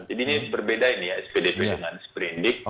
jadi ini berbeda ini ya spdp dengan sprindic